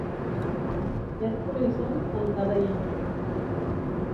ஹெர்க்குலிஸுசும் தன் கதையையும்.